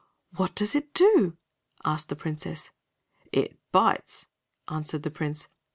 "What does it do?" asked the Princess. "It bites," answered the Prince.